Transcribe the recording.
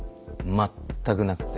全くなくて。